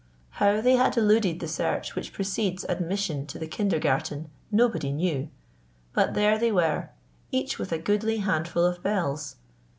How they had eluded the search which precedes admission to the kindergarten nobody knew; but there they were, each with a goodly handful of bells.